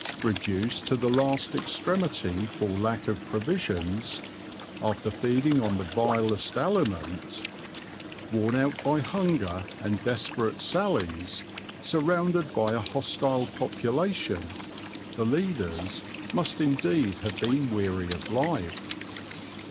Reduced to the last extremity for lack of provisions, "after feeding on the vilest aliment," worn out by hunger and desperate sallies, surrounded by a hostile population, the leaders must indeed have been weary of life.